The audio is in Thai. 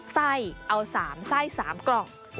ไส้เอา๓ไส้๓กล่อง